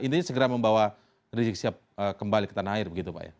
intinya segera membawa risikosi kembali ke tanah air begitu pak ya